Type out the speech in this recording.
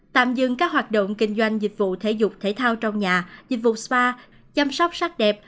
tạm dừng các hoạt động kinh doanh dịch vụ thể dục thể thao trong nhà dịch vụ spa chăm sóc sắc đẹp